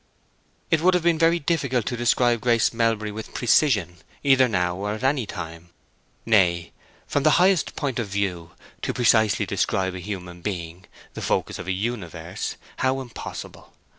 It would have been very difficult to describe Grace Melbury with precision, either now or at any time. Nay, from the highest point of view, to precisely describe a human being, the focus of a universe—how impossible!